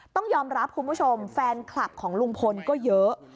ต้องยอมรับคุณผู้ชมแฟนคลับของลุงพลก็เยอะ